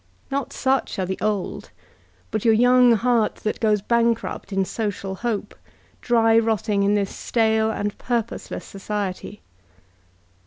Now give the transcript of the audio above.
Not such are the old, but your young heart that goes bankrupt in social hope, dry rotting in this stale and purposeless society.